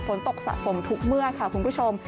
ฝนตกสะสมทุกเมื่อค่ะคุณผู้ชม